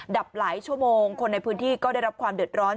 ดับหลายชั่วโมงคนในพื้นที่ก็ได้รับความเดือดร้อน